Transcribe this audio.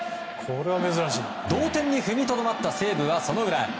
同点に踏みとどまった西武はその裏。